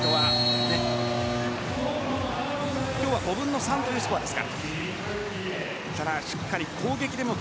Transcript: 今日は５分の３というスコアです。